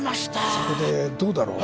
そこでどうだろう？